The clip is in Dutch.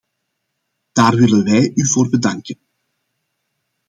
Daar willen wij u voor bedanken.